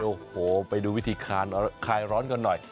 โอ้โหไปดูวิธีคลายร้อนกันหน่อย